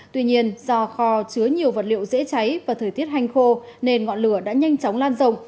tuy nhiên do kho chứa nhiều vật liệu dễ cháy và thời tiết hành khô nên ngọn lửa đã nhanh chóng lan rộng